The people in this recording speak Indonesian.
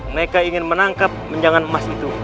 mereka ingin menangkap menjangan emas itu